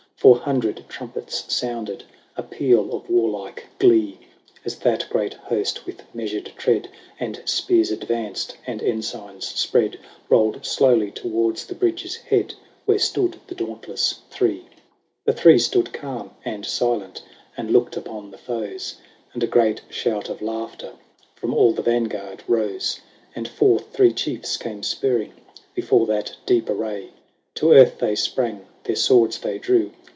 Four hundred trumpets sounded A peal of warlike glee, As that great host, with measured tread. And spears advanced, and ensigns spread. Rolled slowly towards the bridge's head. Where stood the dauntless Three. 62 LAYS OF ANCIENT ROME. \a^V4' P", ^■' \.j^^^ The Three stood calm and silent And looked upon the foes, And a great shout of laughter From all the vanguard rose : And forth three chiefs came spurring Before that deep array ; To earth they sprang, their swords they drew.